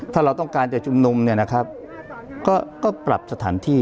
ถ้าเราต้องการจะชุมนุมเนี่ยนะครับก็ปรับสถานที่